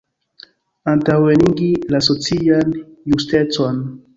Antaŭenigi la socian justecon.